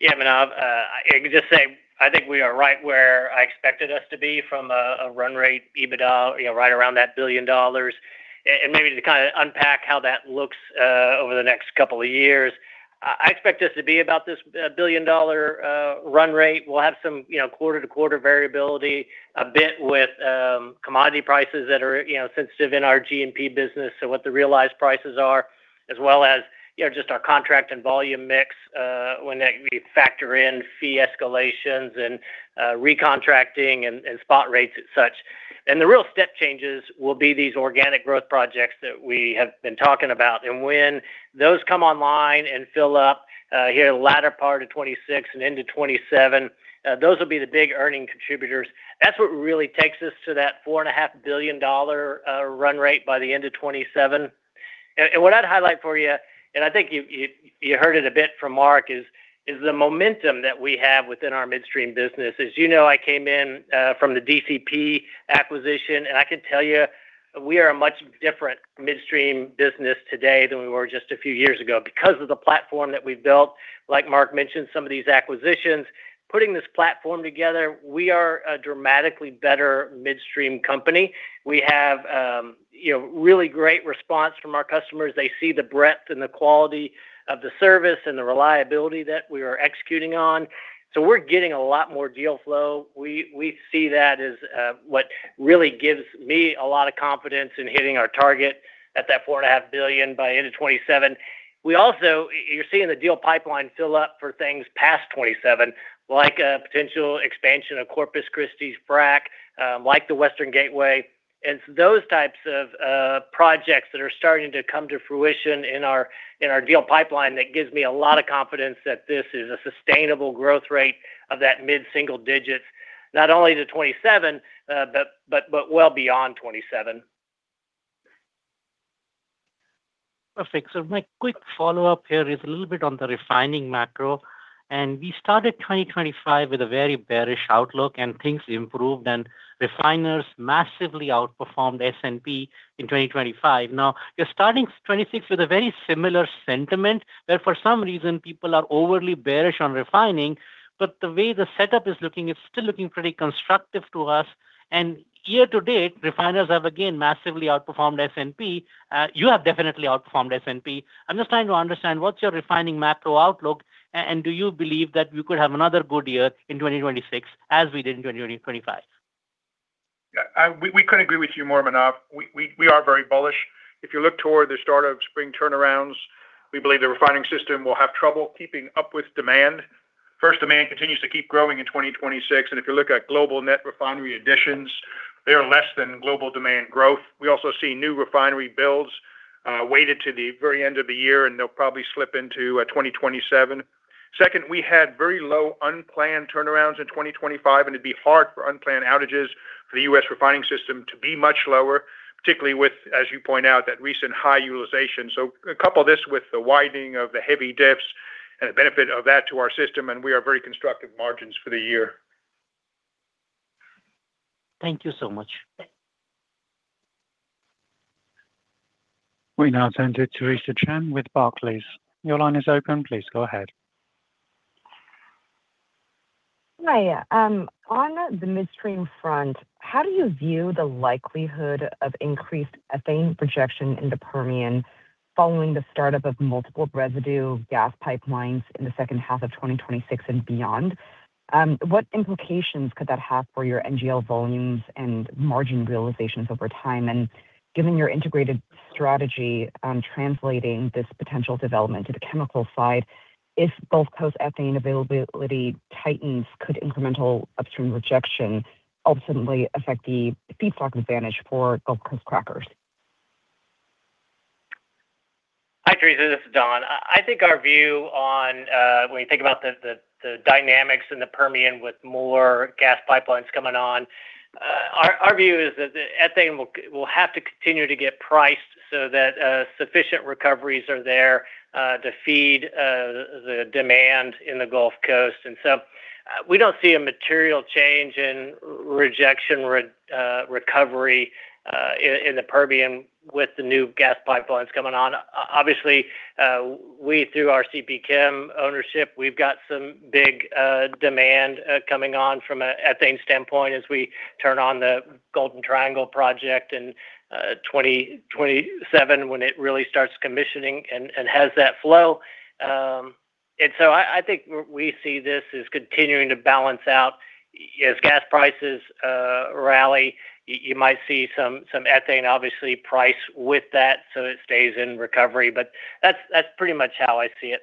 Yeah, Manav, I can just say, I think we are right where I expected us to be from a run rate EBITDA, you know, right around that $1 billion. And maybe to kinda unpack how that looks, over the next couple of years, I expect us to be about this, $1 billion-dollar run rate. We'll have some, you know, quarter-to-quarter variability, a bit with, commodity prices that are, you know, sensitive in our NGL business. So what the realized prices are, as well as, you know, just our contract and volume mix, when that we factor in fee escalations and, recontracting and, and spot rates as such. And the real step changes will be these organic growth projects that we have been talking about. When those come online and fill up, here, the latter part of 2026 and into 2027, those will be the big earning contributors. That's what really takes us to that $4.5 billion run rate by the end of 2027. What I'd highlight for you, and I think you heard it a bit from Mark, is the momentum that we have within our midstream business. As you know, I came in from the DCP acquisition, and I can tell you, we are a much different midstream business today than we were just a few years ago because of the platform that we've built. Like Mark mentioned, some of these acquisitions, putting this platform together, we are a dramatically better midstream company. We have, you know, really great response from our customers. They see the breadth and the quality of the service and the reliability that we are executing on. So we're getting a lot more deal flow. We see that as what really gives me a lot of confidence in hitting our target at that $4.5 billion by end of 2027. We also, you're seeing the deal pipeline fill up for things past 2027, like a potential expansion of Corpus Christi's frac, like the Western Gateway. And it's those types of projects that are starting to come to fruition in our deal pipeline that gives me a lot of confidence that this is a sustainable growth rate of that mid-single digits, not only to 2027, but well beyond 2027. Perfect. So my quick follow-up here is a little bit on the refining macro, and we started 2025 with a very bearish outlook, and things improved, and refiners massively outperformed S&P in 2025. Now, you're starting 2026 with a very similar sentiment, where for some reason, people are overly bearish on refining, but the way the setup is looking, it's still looking pretty constructive to us. And year to date, refiners have again massively outperformed S&P. You have definitely outperformed S&P. I'm just trying to understand, what's your refining macro outlook, and do you believe that we could have another good year in 2026 as we did in 2025? Yeah, we couldn't agree with you more, Manav. We are very bullish. If you look toward the start of spring turnarounds, we believe the refining system will have trouble keeping up with demand. First, demand continues to keep growing in 2026, and if you look at global net refinery additions, they are less than global demand growth. We also see new refinery builds, weighted to the very end of the year, and they'll probably slip into 2027.... Second, we had very low unplanned turnarounds in 2025, and it'd be hard for unplanned outages for the U.S. refining system to be much lower, particularly with, as you point out, that recent high utilization. So couple this with the widening of the heavy diffs and the benefit of that to our system, and we are very constructive margins for the year. Thank you so much. We now turn to Theresa Chen with Barclays. Your line is open. Please go ahead. Hi, on the midstream front, how do you view the likelihood of increased ethane rejection in the Permian following the startup of multiple residue gas pipelines in the second half of 2026 and beyond? What implications could that have for your NGL volumes and margin realizations over time? And given your integrated strategy on translating this potential development to the chemical side, if both coast ethane availability tightens, could incremental upstream rejection ultimately affect the feedstock advantage for Gulf Coast crackers? Hi, Theresa, this is Don. I think our view on when you think about the dynamics in the Permian with more gas pipelines coming on, our view is that the ethane will have to continue to get priced so that sufficient recoveries are there to feed the demand in the Gulf Coast. And so we don't see a material change in rejection recovery in the Permian with the new gas pipelines coming on. Obviously, we, through our CP Chem ownership, we've got some big demand coming on from a ethane standpoint as we turn on the Golden Triangle project in 2027, when it really starts commissioning and has that flow. And so I think we see this as continuing to balance out. As gas prices rally, you might see some ethane obviously price with that, so it stays in recovery, but that's pretty much how I see it.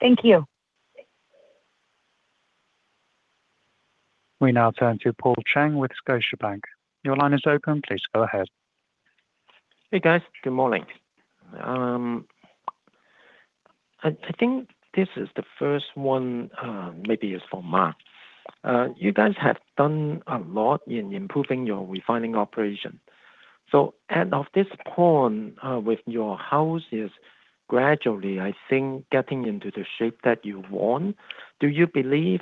Thank you. We now turn to Paul Cheng with Scotiabank. Your line is open. Please go ahead. Hey, guys. Good morning. I think this is the first one, maybe is for Mark. You guys have done a lot in improving your refining operation. So at this point, with your houses gradually, I think, getting into the shape that you want, do you believe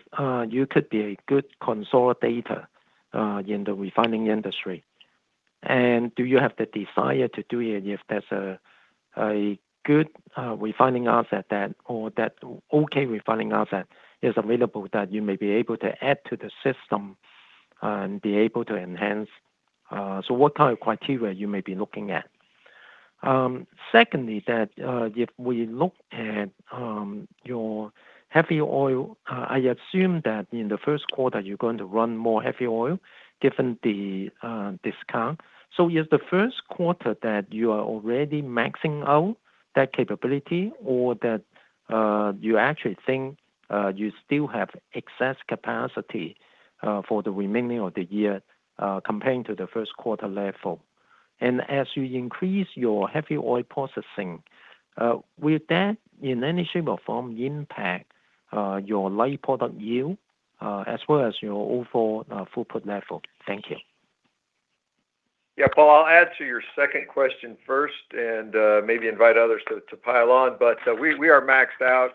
you could be a good consolidator in the refining industry? And do you have the desire to do it if there's a good refining asset that or that okay refining asset is available that you may be able to add to the system and be able to enhance? So what kind of criteria you may be looking at? Secondly, if we look at your heavy oil, I assume that in the first quarter, you're going to run more heavy oil, given the discount. Is the first quarter that you are already maxing out that capability or that you actually think you still have excess capacity for the remaining of the year comparing to the first quarter level? As you increase your heavy oil processing, will that in any shape or form impact your light product yield as well as your overall throughput level? Thank you. Yeah, Paul, I'll add to your second question first and maybe invite others to pile on. But we are maxed out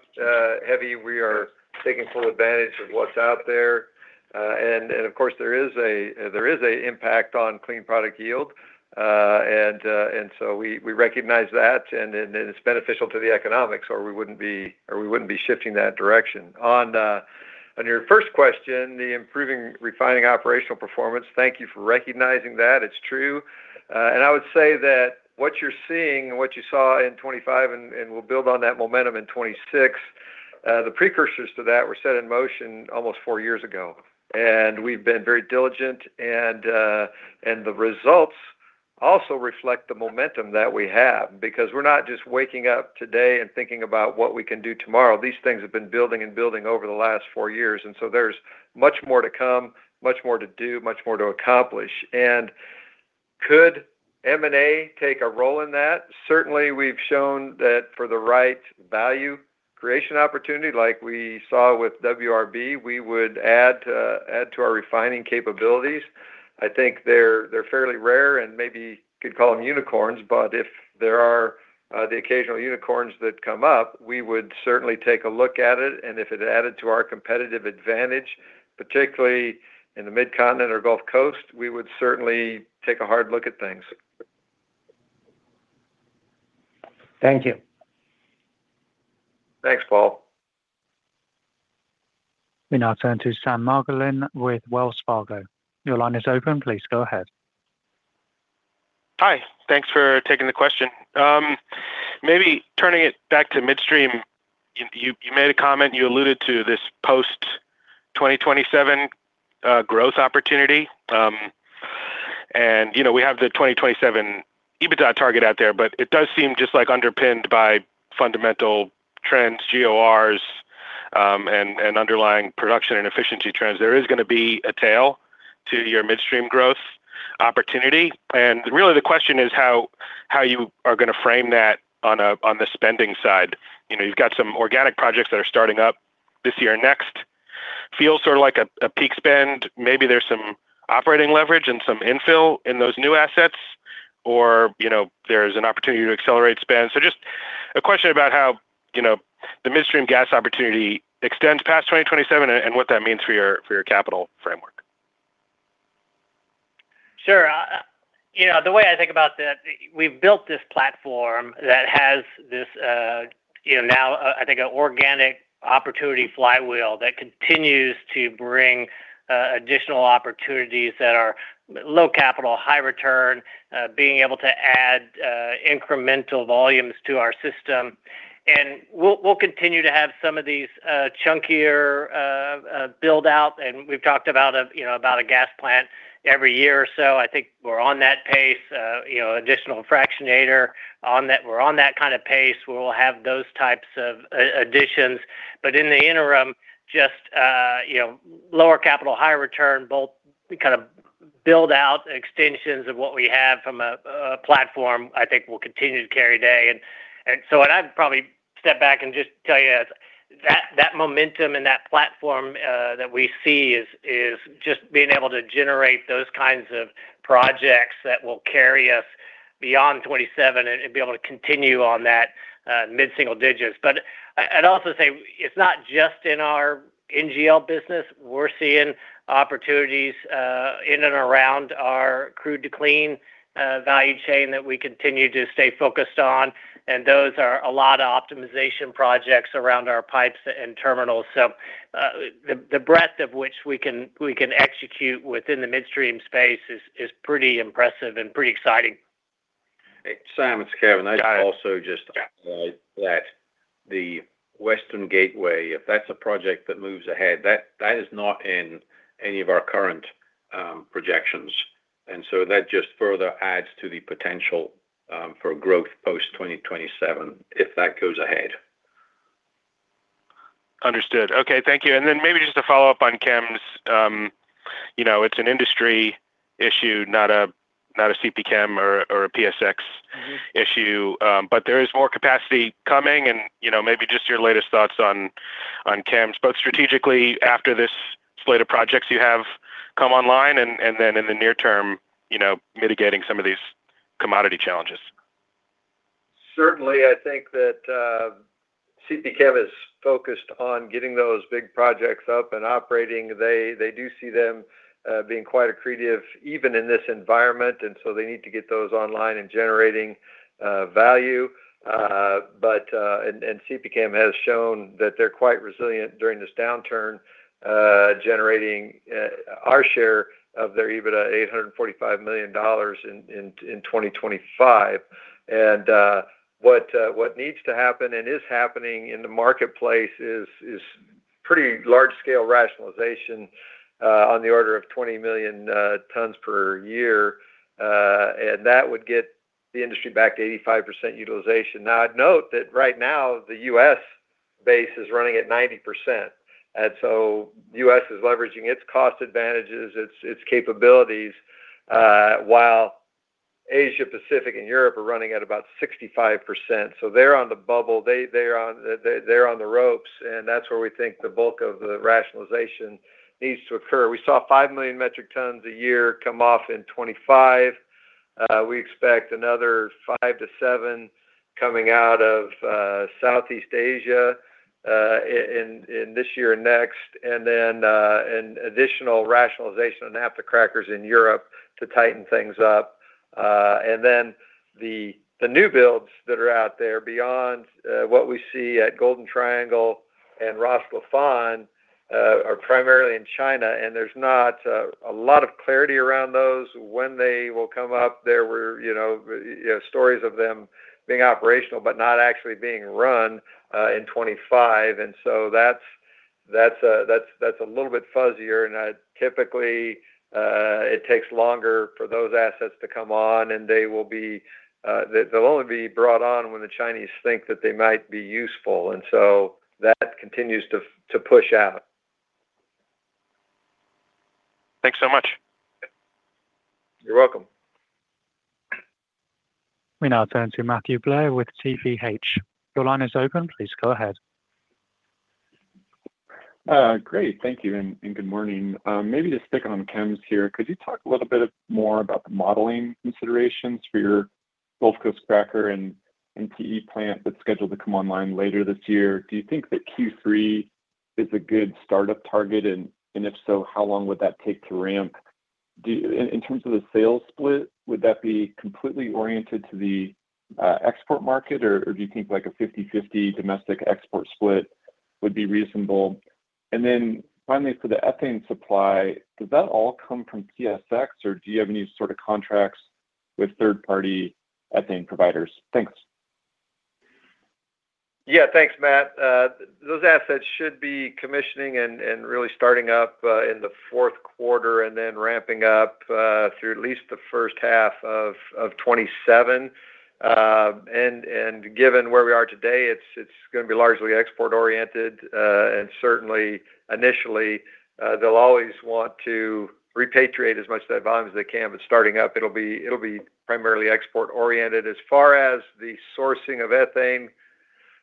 heavy. We are taking full advantage of what's out there. And of course, there is an impact on clean product yield. And so we recognize that, and it's beneficial to the economics, or we wouldn't be shifting that direction. On your first question, the improving refining operational performance, thank you for recognizing that. It's true. And I would say that what you're seeing and what you saw in 2025, and we'll build on that momentum in 2026, the precursors to that were set in motion almost four years ago. And we've been very diligent, and, and the results also reflect the momentum that we have because we're not just waking up today and thinking about what we can do tomorrow. These things have been building and building over the last four years, and so there's much more to come, much more to do, much more to accomplish. And could M&A take a role in that? Certainly, we've shown that for the right value creation opportunity, like we saw with WRB, we would add to, add to our refining capabilities. I think they're, they're fairly rare and maybe could call them unicorns, but if there are, the occasional unicorns that come up, we would certainly take a look at it. And if it added to our competitive advantage, particularly in the Mid-Continent or Gulf Coast, we would certainly take a hard look at things. Thank you. Thanks, Paul. We now turn to Sam Margolin with Wells Fargo. Your line is open. Please go ahead. Hi. Thanks for taking the question. Maybe turning it back to midstream, you made a comment, you alluded to this post-2027 growth opportunity. And, you know, we have the 2027 EBITDA target out there, but it does seem just like underpinned by fundamental trends, GORs, and underlying production and efficiency trends, there is going to be a tail to your midstream growth opportunity. And really, the question is how you are going to frame that on the spending side. You know, you've got some organic projects that are starting up this year. Next feels sort of like a peak spend. Maybe there's some operating leverage and some infill in those new assets, or, you know, there's an opportunity to accelerate spend. Just a question about how, you know, the midstream gas opportunity extends past 2027 and what that means for your, for your capital framework? Sure. You know, the way I think about that, we've built this platform that has this, you know, now, I think, an organic opportunity flywheel that continues to bring additional opportunities that are low capital, high return, being able to add incremental volumes to our system. And we'll continue to have some of these chunkier build out. And we've talked about, you know, about a gas plant every year or so. I think we're on that pace, you know, additional fractionator on that. We're on that kind of pace, where we'll have those types of additions. But in the interim, just, you know, lower capital, higher return, both kind of build out extensions of what we have from a platform, I think will continue to carry day. So what I'd probably step back and just tell you is that that momentum and that platform that we see is just being able to generate those kinds of projects that will carry us beyond 2027 and be able to continue on that mid-single digits. But I'd also say it's not just in our NGL business. We're seeing opportunities in and around our crude-to-clean value chain that we continue to stay focused on, and those are a lot of optimization projects around our pipes and terminals. So the breadth of which we can execute within the midstream space is pretty impressive and pretty exciting. Simon, it's Kevin. Yeah. I'd also just add that the Western Gateway, if that's a project that moves ahead, that is not in any of our current projections. And so that just further adds to the potential for growth post-2027, if that goes ahead. Understood. Okay, thank you. Then maybe just a follow-up on chems. You know, it's an industry issue, not a CP Chem or a PSX issue, but there is more capacity coming and, you know, maybe just your latest thoughts on chems, both strategically after this slate of projects you have come online and then in the near term, you know, mitigating some of these commodity challenges. Certainly, I think that CP Chem is focused on getting those big projects up and operating. They do see them being quite accretive, even in this environment, and so they need to get those online and generating value. CP Chem has shown that they're quite resilient during this downturn, generating our share of their EBITDA, $845 million in 2025. What needs to happen and is happening in the marketplace is pretty large-scale rationalization, on the order of 20 million tons per year. That would get the industry back to 85% utilization. Now, I'd note that right now the U.S. base is running at 90%, and so U.S. is leveraging its cost advantages, its, its capabilities, while Asia Pacific and Europe are running at about 65%. So they're on the bubble, they're on the ropes, and that's where we think the bulk of the rationalization needs to occur. We saw 5 million metric tons a year come off in 2025. We expect another five-seven coming out of, Southeast Asia, in, in, this year and next, and then, an additional rationalization on naphtha crackers in Europe to tighten things up. And then the new builds that are out there beyond what we see at Golden Triangle and Ras Laffan are primarily in China, and there's not a lot of clarity around those when they will come up. There were, you know, stories of them being operational but not actually being run in 2025, and so that's a little bit fuzzier. And typically it takes longer for those assets to come on, and they will be, they'll only be brought on when the Chinese think that they might be useful, and so that continues to push out. Thanks so much. You're welcome. We now turn to Matthew Blair with TPH. Your line is open. Please go ahead. Great. Thank you, and good morning. Maybe just sticking on chems here, could you talk a little bit more about the modeling considerations for your Gulf Coast cracker and PE plant that's scheduled to come online later this year? Do you think that Q3 is a good startup target? And if so, how long would that take to ramp? Do you, in terms of the sales split, would that be completely oriented to the export market, or do you think like a 50/50 domestic export split would be reasonable? And then finally, for the ethane supply, does that all come from PSX, or do you have any sort of contracts with third-party ethane providers? Thanks. Yeah. Thanks, Matt. Those assets should be commissioning and really starting up in the fourth quarter and then ramping up through at least the first half of 2027. And given where we are today, it's gonna be largely export-oriented. And certainly initially, they'll always want to repatriate as much of that volume as they can, but starting up, it'll be primarily export-oriented. As far as the sourcing of ethane,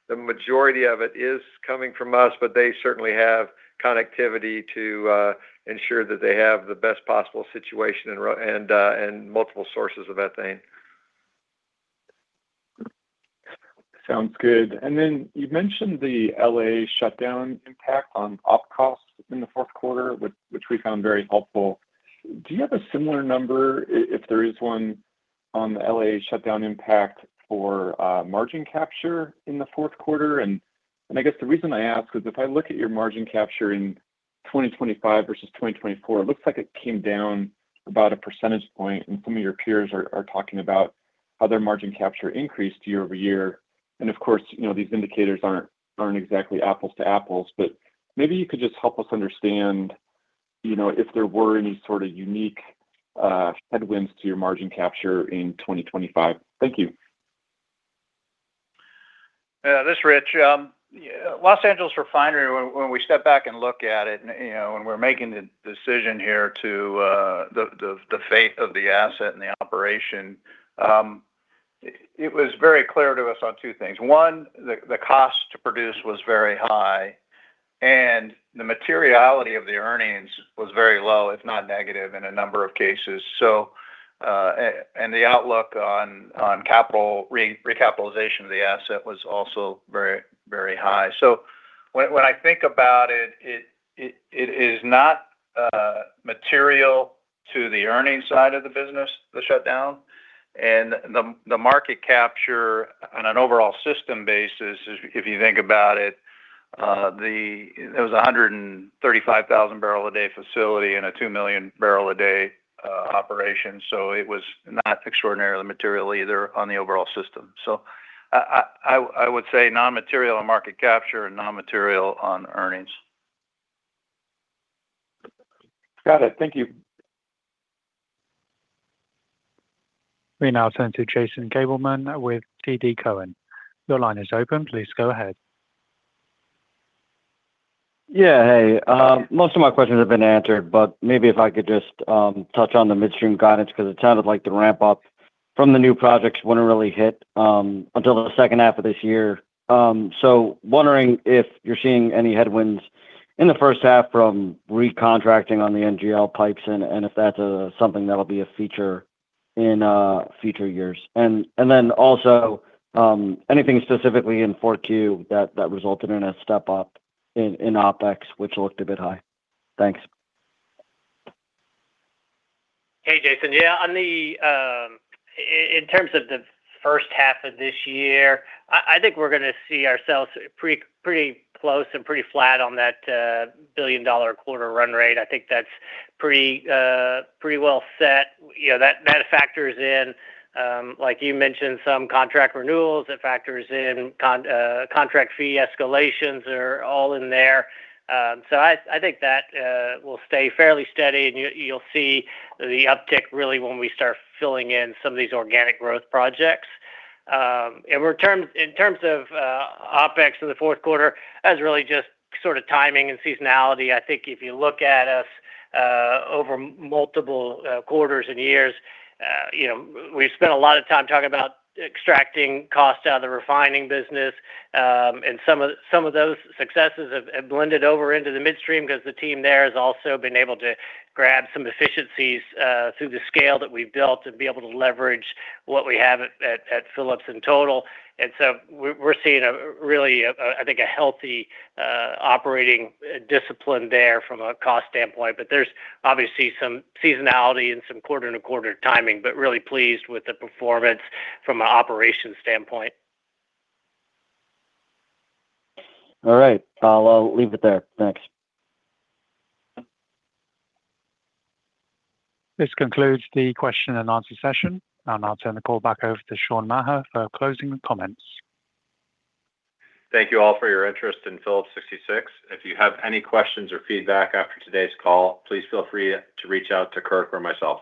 the majority of it is coming from us, but they certainly have connectivity to ensure that they have the best possible situation and multiple sources of ethane. Sounds good. And then you mentioned the LA shutdown impact on op costs in the fourth quarter, which we found very helpful. Do you have a similar number, if there is one, on the LA shutdown impact for margin capture in the fourth quarter? And I guess the reason I ask is, if I look at your margin capture in 2025 versus 2024, it looks like it came down about a percentage point, and some of your peers are talking about how their margin capture increased year-over-year. And of course, you know, these indicators aren't exactly apples to apples, but maybe you could just help us understand, you know, if there were any sort of unique headwinds to your margin capture in 2025. Thank you. This is Rich. Yeah, Los Angeles refinery, when we step back and look at it, and, you know, when we're making the decision here to the fate of the asset and the operation, it was very clear to us on two things. One, the cost to produce was very high, and the materiality of the earnings was very low, if not negative, in a number of cases. And the outlook on capital recapitalization of the asset was also very, very high. When I think about it, it is not material to the earnings side of the business, the shutdown, and the market capture on an overall system basis. If you think about it, it was a 135,000 barrel a day facility and a 2 million barrel a day operation, so it was not extraordinarily material either on the overall system. I would say non-material on market capture and non-material on earnings. Got it. Thank you. We now turn to Jason Gabelman with TD Cowen. Your line is open, please go ahead. Yeah, hey. Most of my questions have been answered, but maybe if I could just touch on the midstream guidance, because it sounded like the ramp up from the new projects wouldn't really hit until the second half of this year. So wondering if you're seeing any headwinds in the first half from recontracting on the NGL pipes, and if that's something that'll be a feature in future years. And then also, anything specifically in 4Q that resulted in a step-up in OpEx, which looked a bit high? Thanks. Hey, Jason. Yeah, in terms of the first half of this year, I think we're gonna see ourselves pretty close and pretty flat on that $1 billion a quarter run rate. I think that's pretty well set. You know, that factors in, like you mentioned, some contract renewals. It factors in contract fee escalations are all in there. I think that will stay fairly steady, and you'll see the uptick really when we start filling in some of these organic growth projects. In terms of OpEx in the fourth quarter, that's really just sort of timing and seasonality. I think if you look at us over multiple quarters and years, you know, we've spent a lot of time talking about extracting costs out of the refining business. And some of those successes have blended over into the midstream because the team there has also been able to grab some efficiencies through the scale that we've built and be able to leverage what we have at Phillips in total. And so we're seeing a really, I think, a healthy operating discipline there from a cost standpoint, but there's obviously some seasonality and some quarter-and-a-quarter timing, but really pleased with the performance from an operations standpoint. All right. I'll leave it there. Thanks. This concludes the question and answer session. I'll now turn the call back over to Sean Maher for closing comments. Thank you all for your interest in Phillips 66. If you have any questions or feedback after today's call, please feel free to reach out to Kirk or myself.